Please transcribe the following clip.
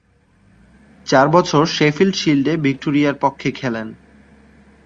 চার বছর শেফিল্ড শিল্ডে ভিক্টোরিয়ার পক্ষে খেলেন।